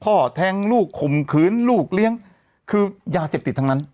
พ่อแทงลูกข่มขืนลูกเลี้ยงคือยาเสพติดทั้งนั้น